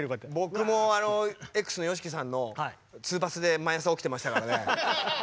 僕もエックスのＹＯＳＨＩＫＩさんのツーバスで毎朝起きてましたから。